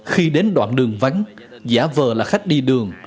khi đến đoạn đường vắng giả vờ là khách đi đường